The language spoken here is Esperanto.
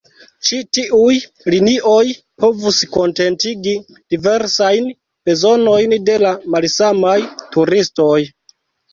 Ĉi tiuj linioj povus kontentigi diversajn bezonojn de la malsamaj turistoj.